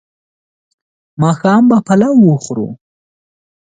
ماښام به پلاو وخورو